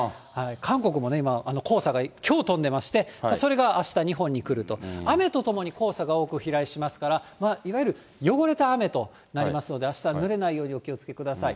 韓国も今、黄砂がきょう飛んでまして、それがあした、日本に来ると、雨とともに黄砂が多く飛来しますから、いわゆる汚れた雨となりますので、あしたぬれないようにお気をつけください。